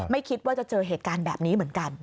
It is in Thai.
ไม่คิดว่าจะเจอเหตุการณ์แบบนี้เหมือนกัน